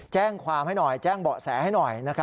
แจ้งความให้หน่อยแจ้งเบาะแสให้หน่อย